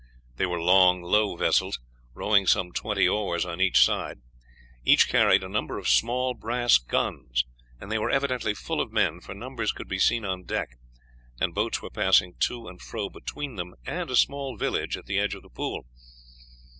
They were long, low vessels, rowing some twenty oars on each side. Each carried a number of small brass guns, and they were evidently full of men, for numbers could be seen on deck, and boats were passing to and fro between them and a small village at the edge of the pool.